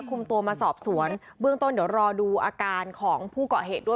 คุมตัวมาสอบสวนเบื้องต้นเดี๋ยวรอดูอาการของผู้เกาะเหตุด้วย